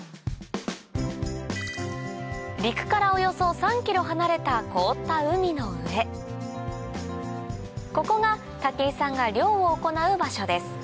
陸からおよそ３ｋｍ離れた凍った海の上ここが武井さんが漁を行う場所です